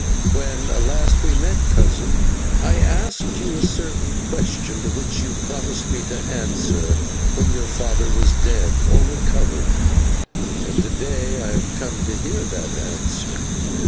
When last we met, cousin, I asked you a certain question, to which you promised me an answer when your father was dead or recovered, and to day I have come to hear that answer.